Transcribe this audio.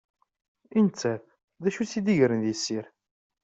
I nettat, d acu i tt-id-igren di tessirt?